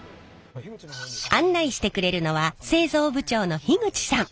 案内してくれるのは製造部長の口さん。